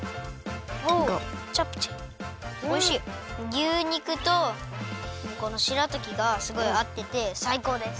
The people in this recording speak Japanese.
牛肉とこのしらたきがすごいあっててさいこうです。